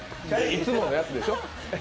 いつものやつでしょう。